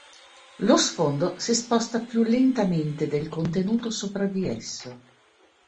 Lo sfondo si sposta più lentamente del contenuto sopra di esso.